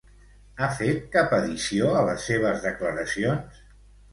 Ha fet cap addició a les seves declaracions?